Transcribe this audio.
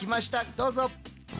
どうぞ。